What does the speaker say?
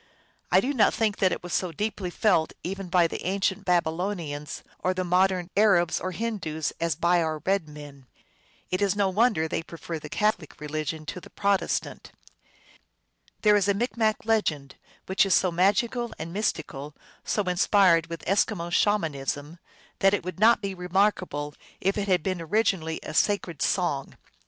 I do not think that it was so deeply felt even by the ancient Babylonians or the modern Arabs and Hindoos as by our red men. It is no wonder they prefer the Catholic religion to the Protestant. There is a Micmac legend which is so magical and mystical, so inspired with Eskimo Shamanism, that it 368 THE ALGONQUIN LEGENDS. would not be remarkable if it had been originally a sacred song.